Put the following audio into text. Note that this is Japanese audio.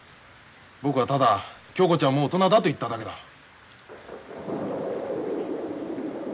僕はただ恭子ちゃんはもう大人だと言っただけだ。